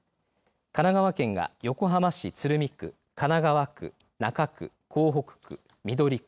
神奈川県が横浜市鶴見区神奈川区、中区、港北区緑区